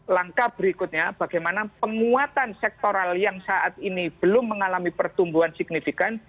langkah berikutnya bagaimana penguatan sektoral yang saat ini belum mengalami pertumbuhan signifikan